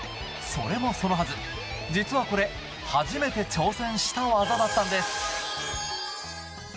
それもそのはず、実はこれ初めて挑戦した技だったんです。